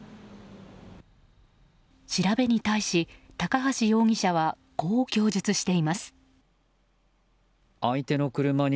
調べに対し、高橋容疑者はこう供述しています。